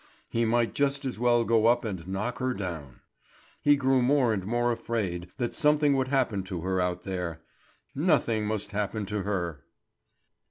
He might just as well go up and knock her down. He grew more and more afraid that something would happen to her out there. Nothing must happen to her!